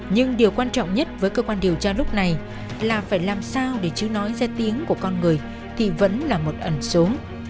nhưng điều quan trọng nhất với cơ quan điều tra lúc này là phải làm sao để chứ nói ra tiếng của con người thì vẫn là một ẩn số